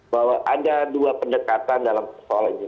bahwa ada dua pendekatan dalam persoalan ini